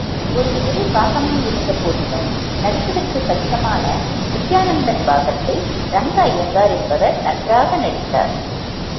ஒரு சிறு பாகமாயிருந்த போதிலும், நடிப்பதற்குக் கஷ்டமான நித்யானந்தன் பாகத்தை, ரங்க அய்யங்கார் என்பவர் நன்றாக நடித்தார்.